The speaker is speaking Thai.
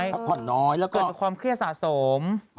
เขาขอนน้อยเกิดจากความเครียดสะสมแล้วก็